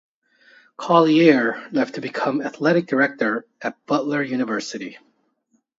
Collier left to become athletic director at Butler University.